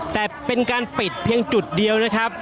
แต่เป็นการปิดเพียงจุดเดียวนะครับ